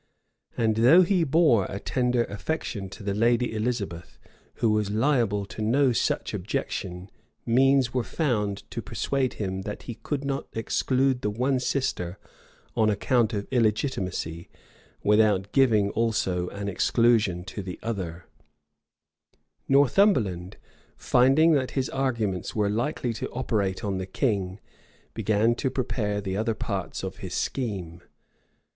And though he bore a tender affection to the lady Elizabeth, who was liable to no such objection means were found to persuade him that he could not exclude the one sister, on account of illegitimacy, without giving also an exclusion to the other. [Illustration: 1 424 jane_grey.jpg LADY JANE GREY] Northumberland, finding that his arguments were likely to operate on the king, began to prepare the other parts of his scheme.